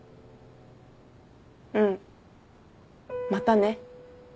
うん。またね。